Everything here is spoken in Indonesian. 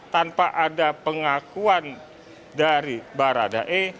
tanpa ada pengakuan dari baradae